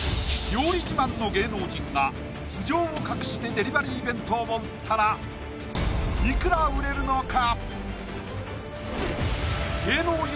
料理自慢の芸能人が素性を隠してデリバリー弁当を売ったらいくら売れるのか？